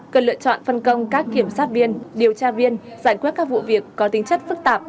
cần lựa chọn phân công các kiểm sát viên điều tra viên giải quyết các vụ việc có tính chất phức tạp